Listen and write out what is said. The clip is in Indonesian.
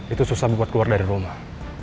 itu susah buat keluar dari rumah